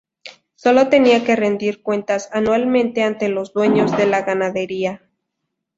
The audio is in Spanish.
Sólo tenía que rendir cuentas anualmente ante los dueños de la ganadería.